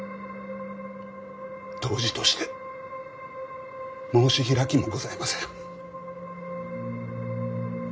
杜氏として申し開きもございません。